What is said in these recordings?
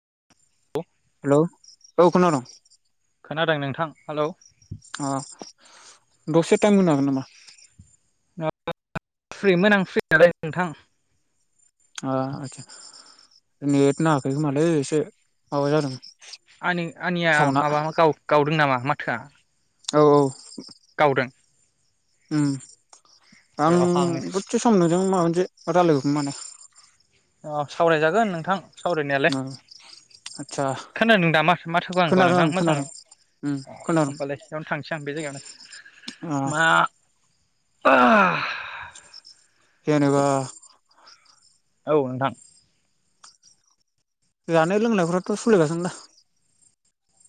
[unintelligible] Hello औ खोनादों खोनादों नोंथां हेलौ अ दसे टाइम होनो हागोन नामा? [unintelligible] फ्रिमोन आं फ्रियालाय नोंथां अ आतसा नेट नांङाखै खोमालै एसे माबा जादों। आंनि आंनिया सावना माबा गावदों नामा माथोआ? औ औ गावदों? ओम आं दसे सम नोंजों माबा मोनसे रायलायगौमोन मोनो औ सावरायजागोन नोंथां सावरायनायालै ओ आदसा खोनादोंदा मा माथोखौ आंखौ खोनादों नोंथां आं खोनादों मोजाङै उम अ खोनादों होमबालै बेयावनो थांसै आं बे जायगायावनो ओ मा [unintelligible] जेनेबा औ नोंथां जानाय लोंनाय फ्राथ सोलिगासिनो दा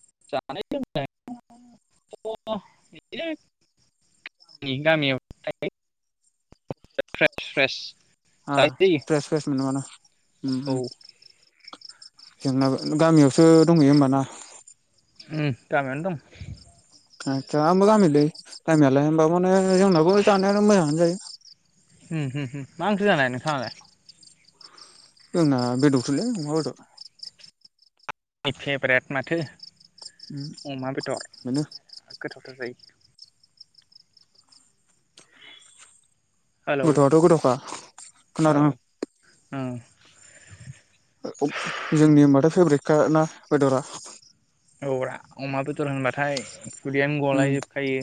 [unintelligible] अ जायो फ्रेस फ्रेस मोनोआनो ओम औ ओम जेंना गामियावसो दंहैयो होमबाना? ओ गामियावनो दं। आसा म जाम दै टाइमिलाय हबा माने जोंनाबो जानायानो मोजांङानो जायो। होम होम मा ओंख्रि जानाय नोंथाङालाय? जोंना बेदरसोलै अमा बेदर। आंनि फेभरेट माथो उम व अमा बेथर बेनो गोथाव । [unintelligible] हेलौ गथ आथ गथखा औ खोनादों आं। औ जोंनि होनबाथाय फेब्रेटखा ना बेदरा। औ ब्रा अमा बेदर होनबाथाय खुदियानो गलाय उम जोबखायो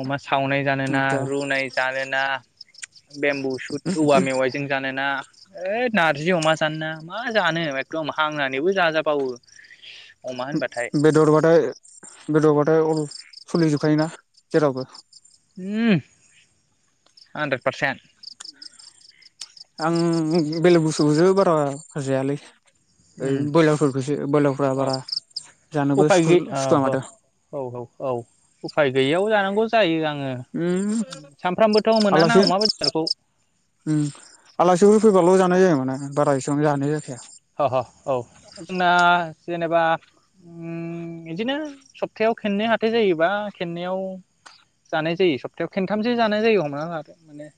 अमा सावनाय जानोना आदसा रुनाय जानोना बेम्बु सुद औवा मेवाइजों जानोना ओइ नारजि अमा जानो ना मा जानो एखदम हांनानैबो जाजाबावो। अम होनबा बेदरबाथाय बेदरबाथाय अल सोलिजोबखायोना जेरावबो होम हानद्रेड पारसेन्ट आं बेलेग बुस्सथुखौसो बारा होजायालै। ओ उम बयलारफोरखौसो बयलारफोरखौसो अ बारा जानोबो उफाय गै औ सुखुवआ औ माथो औ औ उफाय गैययाव जानौ जायो आं। उम सानफ्रामबोथ मोना ना आलासि अमा बेदरखौ। उम आलासिफोर फैबाल जानाय जायोमोना बारा एसेबां जानाय जाखाया। अह अह औ जोंना जेनेबा बिदिनो सप्थायायाव खेनै हााइ जायोबा खेननाव जानाय जायो सप्थायायाव खेनथामसो जानाय जायो हमना ला माने।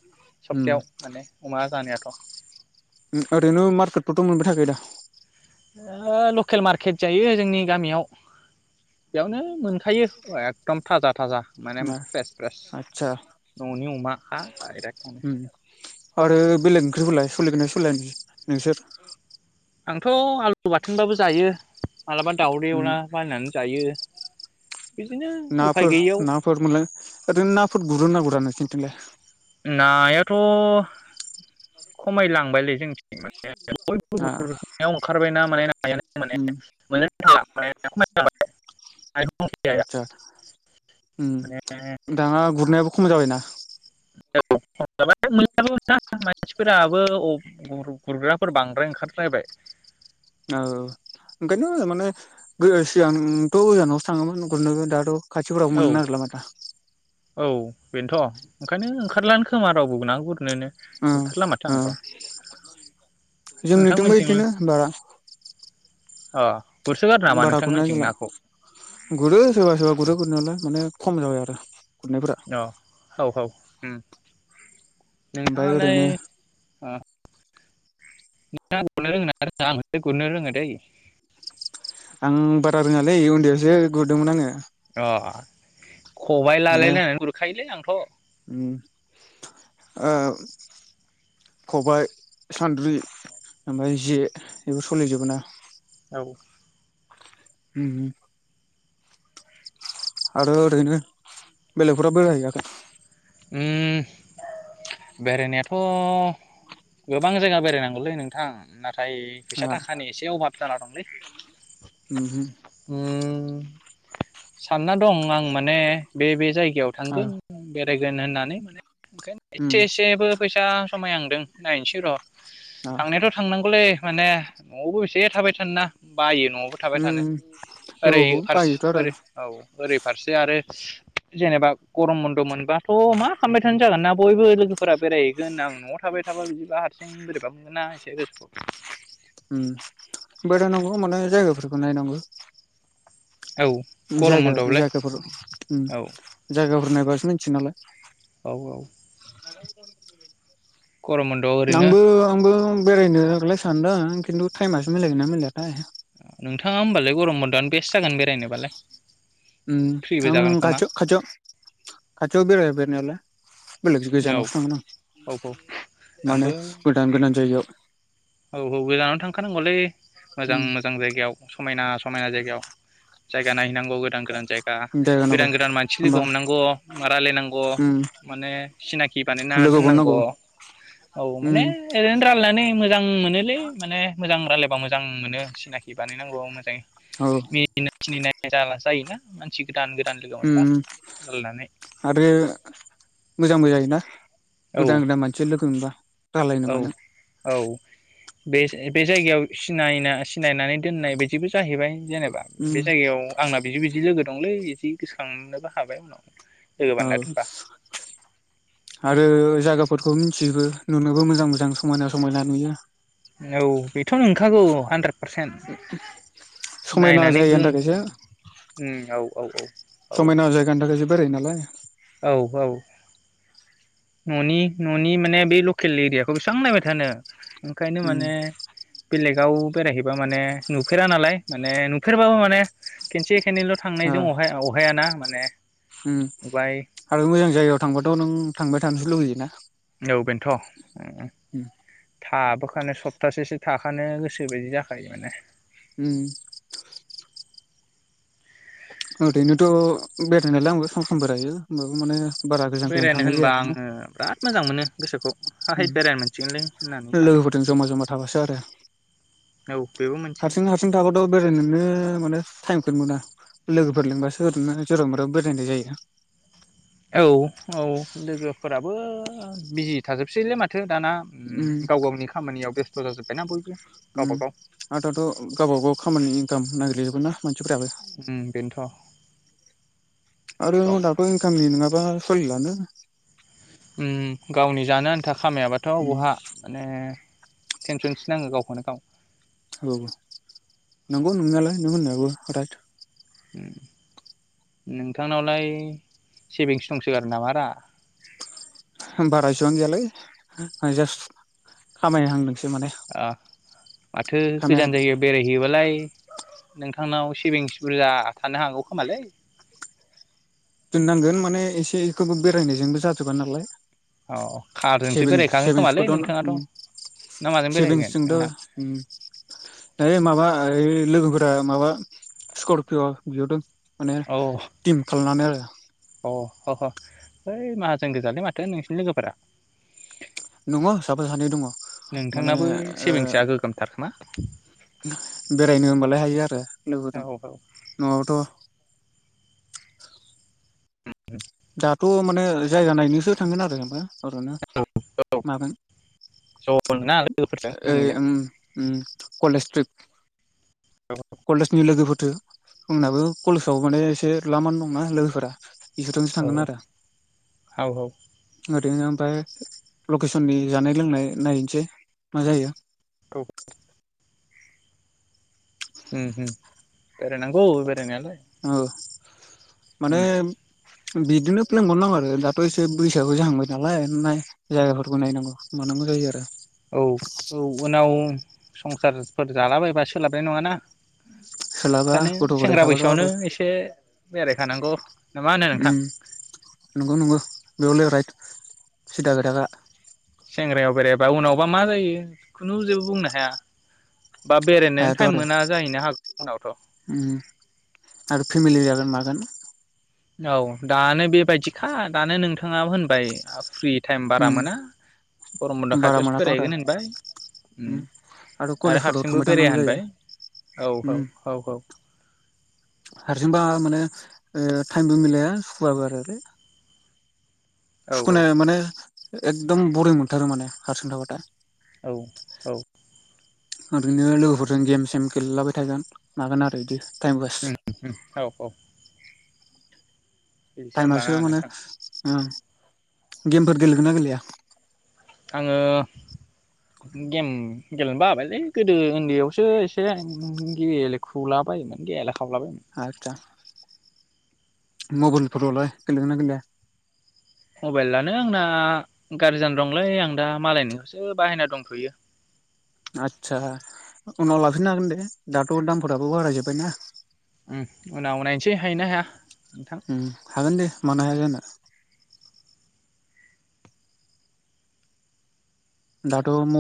उम सबप्तायाव माने अमा जानाया आरो थ ओरैनो मारकेटखौथ मोनबाय थाख दा? लकेल मार्केट जायो जोंनि गामियाव बेयावनो मोनखायो एकदम थाजा थाजा माने दा फ्रेस फ्रेस आदसा ननि अमाखा डाइरेक्ट माने उम आरो बेलेग ओंख्रिफोरालाय सोलिगोनाय सोलिया नोंसोर आंथ आलु बाथोनबाबो जायो। माब्लाबा दाउदै उम एवला बायनानै जायो। बिदिनो उफाय नाफोर गैयियाव नाफोर मोनलाय ओरैनो नाफोर गुरोना गुरा नोंसिनिथिंलाय नायाथ खमायलांबायलै जोंनिथिं माने। बयबो आ गुरनायाव ओंखारबाय ना। उम [unintelligible] [inaudible] गैया आदसा हम माने दाना गुरनायाबो खम जाबायना औ [unintelligible] मानसिफोराबो गुरग्राफोर बांद्राय ओंखारद्रायबाय । औ ओंखायनो माने सिगांथ' गोजानावसो थाङोमोन गुरनोबो दाथ' खाथिफोरावबो औ मोननो नागिरला माथो । औ बेनोथ' ओंखायनो ओंखारलानो खोमा रावबो ना गुरनोनो । उम उम जोंनिथिबो नोंथांमोनथिं इदिनो बारा अ गुरसोगारो नामा बारा गुरनाय नोंथांमोनथिं जाला, नाखौ गुरो सेरबा सोरबा गुरो गुरनायालाय माने खम जाबाय आरो गुरनायफोरा औ औ औ उम ओमफ्राय नोंथाङालाय ओरैनो ओ [unintelligible] रोङो ना रोङा आं हले गुरनो रोङो दैै। आं बारा रोङालै उन्दैयावसो गुरदोंमोन आङो । अ खबाइ माने लालायलायनानै गुरखायोलै आंथ' । उम खबाय सान्द्रि ओमफाय जे बेफोर सलिजोबोना? औ उम उम आरो ओरैनो बेलेगफोराव बेरायहैयाखै? उम बेरायनायाथ' गोबां जायगा बेरायनांगौलै नोंथां ना थाइ फैसा थाखानि एसे अभाब जाना दंलै । ओम होम सानना दं आं माने बे बे जायगा जायगायाव आ थांगोन बे गोन होननानै माने ओंखायनो उम एसे एसेबो फैस सा खामायहांदों नायनोसै र' आ । थांनायाथ' थांनांगौलै । माने न'आवबो बेसे थाबाय थानो ना बायो । न'आवबो थाबाय थानो उम औ ओरै फार बायोथ' आरो ओरै औ ओरै फारसे आरो जेनेबा गरम बन्द' मोनबा थ' मा खामबाय थानो जागोन ना । बयबो लोगोफोरा बेराय गोन आं न'आव थाबाय थाबा बिदिबा हारसिं बोरैबा मोनगोन ना एसे गोसोखौ । आम बेरायायनांगौ माने जायगाफोरखौ नायनांगौ। औ गरम जायगा बन्द'आवलाय जायगाफोर ओम औ जायगाफोर बुरनायबासो मिथियोनालाय औ औ [unintelligible] गरम बन्द'आव ओरैनो नोंबो आंबो बेरायनोलाय सानदों खिन्थु थाइमासो मिलायगोन ना मिलयाथाय नोंथाङा होमबालाय गरम बन्द'आनो बेस्ट जागोन बेरायनोबालाय फ्रिबो ‌अम जागोन आं खोमा खाथि खाथियाव' बेरायबाय नालाय बेलेग औ गोजानावसो थांगोन औ औ आं माने आंबो गोदान गोदान जायगायाव। औ औ गोजानावनो थांखानांगौलै मोजां उम मोजां जायगायाव समायना समायना जायगायाव, जायगा नायहैनां औ गोदान गोदान जायगा जायगा नांगौ गोदान गोदान मानसि लोगो होमबा हमनांगौ रायलायनांगौ उम माने सिनाखि बानायना लोगोखौनो नांगौ दोननांगौ औ माने उम ओरैनो रायलायनानै, ओम मोनोलै माने मोजां, रायलायबा मोजां मोनो सिनाखि बानायनांगौ मोजाङै, औ मिनिनाय थिनिनाय, जाला जायोना मानसि, गोदान गोदान लोगो मोनबा ओम रायलायनानै आरो मोजां मोजांङै ना औ गोदान गोदान मानसिफोर लोगो मोनबा, रायलायनो औ मानो औ बे बे जायगायाव सिनायना सिनायनानै दोननाय बिदिबो जाहैबाय, जेनेबा उम बे जायगायाव आंना बिदि बिदि लोगो दंलै बिदि गोसोखांनोबो हाबाय उनाव, लोगो औ बानायना दोनबा आरो जायगाफोरखौ सिबो नुनोबो मोजां मोजां समायना समायना नुयो, औ बेथ' नंगौ मोनांगौ हान्द्रेद पारसेन्ट समायना नायनानै जायगानि गो थाखायसो औ औ औ औ समायना जायगानि थाखायसो बेरायो नालाय औ औ न'नि न'नि माने बे लकेल एरियाखौ बेसेबां नायबाय थानो, ओंखायनो उम माने बेलेग गाव बेरायहैबा माने नुफेरा नालाय माने नुफेरबाबो माने खिनसे, खेनैल' थांनायजों अहाया अहायाना मान ने ओम आरो मोजां जायगायाव थांबाथ' नों थांबाय थानोसो लुुगैयो ना? औ बेनोथ' उम थाबोखानो सप्तासेसो थाखानो गोसो बायदि जाखायो माने । उम ओरैनोथ' बेरायनायालाय आंबो सम समबोरायो होमबाबो माने बारा गोजान गोजान बेरायनो थांनाय होनबा जाया ना आङो बिराद मोजां मोनो गोसोखौ हाहै बेरायनो मोनसिगोनलै होननानै सानो लोगोफोरजों जमा जमा थाबासो आरो औ बेबो मोनसे हारसिं हारसिं थाबाथ' बेरायनोनो माने टाइम नोंगौ ना लोगोफोर लेंबासो ओरैनो जेराव मेराव बेरायनाय जायो। औ औ लोगोफोराबो बिजि थाजोबसैलै माथो दाना उम गाव गावनि खामानियाव बेस्थ थ जाजोब्बायना फुल । उम आरो दाथ' गावबा गाव खामानि खाम नागिरलायजोबोना मानसिफोराबो । उम बेन्थ'। आरो हदाबो गामिनि नङाब बा सलिलानो । उम गावनि जानो आन्था खामायाबाथ' बहा माने टेनसनसो नाङो गावखौनो गाव औ नंगौ नंनायालाय नों होननायाबो राइट । उम नोंथांनावलाय सेभिंस दंसोगारो नामा रा? बारा एसेबां गैयाालाय आं जास्त खामाय हांदों । आ माथो खामायहां गोजान जायगायाव बेरायहैयोबालाय नोंथांनाव सेभिंस बुरजा थानो हागौ खोमालै? दोननांगोन माने एसेखौबो बेरायनायजोंबो जाजोबा नालाय औ । कारजोंसो सेभिंस बेरायखागोन खोमालै सेभिंसखोथ' नोंथाङाथ' उम ना माजों बेरायहैगोन सेभिंसजोंथ' नोंथां उम ओइ माबा ओइ लोगोफोरा माबा स्करपिय बिहरदों। माने टिम खालामनानै आरो । [inaudible] अ ह ह ओइ माहाजोन गोजालै माथो नोंसिनि लोगोफोरा । दङ साफा सानै दङ माने ओ मा? बेरायनो होनबालाय हायो आरो औ लोगोदं औ नंआबाथ' उम दाथ' माने जायगा नायनोसो थांगोन आरो जोंबो अर'नो मामोन ज'नोना लोगोफोरजों ओइ नोंनिजों उम ओम कलेज ट्रिप कलेजनि लोगोफोर जो फुंनाबो कलेजाव माने एसे द्लामानो दंना लोगोफोरा इसोरजोंसो औ थांगोन आरो औ ओरैनो ओमफ्राय लकेसननि जानाय लोंनाय नायनोसै मा जायो औ उम उम बेराय नांगौ एबारो ओ माने उम बिदिनो प्लेन बनायनांगौ आरो दाथ' एसे बैसो आबो जाहांबाय नालाय नाय जायगाफोरखौ नायनांगौ मानांगौ जायो आरो। औ औ उनाव संसारफोर जालाबायबा सोलाबनाय नङाना। सोलाबा ओखायनो गथ' गथाय सेंग्रा थाबाथ' आरो बैसोआवनो एसे बेराय खानांगौ। उम नंगौ नंगौ बे हले राइद। सिदा खोथाखा। सेंग्रायाव बेरायबा उनावबा मा जायो खुनु जेबो बुंनो हाया। बा बेरायनोनो हायाथ' टाइम आरो मोना जाहैनो हागौ उनावथ' उम आरो फेमिलि जागोन मागोन। औ दानो बेबायदिखा दानो नोंथाङा होनबाय फ्रि टाइम बारा उम मोना गरम बन्द' बारा खाथियावसो मोनाथ' आरो बेरायहैगोन होनबाय। उम आरो कलेजफोराव हारसिंबो थांबाय बेराया थानांगौ जायो होनबाय। औ औ उम औ औ। हारसिंबा माने ओ टाइमबो मिलाया सुखुवाबो आरोलै। औ सुखुनाय माने एकदम बरिं मोनथारो माने हारसिं थाबाथाय। औ औ। ओरैनो लोगोफोरजों गेम सेम गेलेलाबाय थागोन मागोन आरो बिदि। ओं ओं औ औ। बिदिसो होमबाना टाइमासो माने नोंथां ओं गेमफोर गेलेगोनना गेलेया? आङो गेम गेलेनो बाबायलै गोदो ओन्दैयावसो एसे गेले ख्रुला बायोमोन गेले आदसा। मबाइलफोरावलाय गेलेयो ना गेलेया? मबाइलानो आंना गारजि जाना दंलै आं दा मालायनि सो बाहायना दंथ'यो। आदसा उनाव लाफिननो हागोन दे दाथ' दामफोराबो बाराय जोबबायना। उम उनाव नायनोसै हायोना हाया नोंथां। उम हागोन दे मानो हाया जानो दाथ'